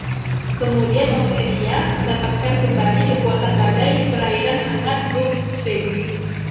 Kemudian Ophelia mendapatkan kembali kekuatan badai di perairan hangat Gulf Stream.